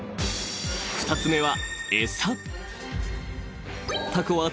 ［２つ目は］